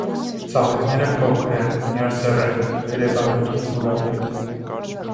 Ծաղիկները փոքր են, միասեռ են, տերևանութում՝ բուրավետ։